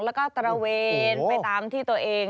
แล้วก็ตระเวนไปตามที่ตัวเอง